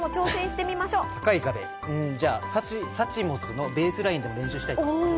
じゃあ、サチモスのベースラインでも練習したいと思います。